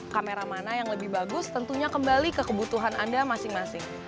kamera mana yang lebih bagus tentunya kembali ke kebutuhan anda masing masing